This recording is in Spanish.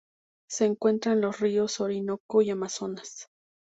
Se encuentra en los ríos Orinoco y Amazonas.